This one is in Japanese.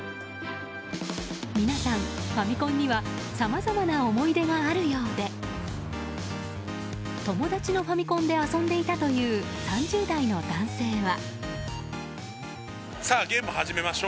皆さん、ファミコンにはさまざまな思い出があるようで友達のファミコンで遊んでいたという３０代の男性は。